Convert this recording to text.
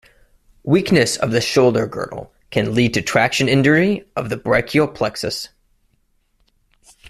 Weakness of the shoulder girdle can lead to traction injury of the brachial plexus.